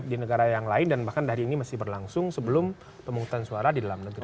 di negara yang lain dan bahkan hari ini masih berlangsung sebelum pemungutan suara di dalam negeri